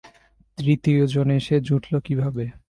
তৃতীয় জন এসে জুটল কীভাবে?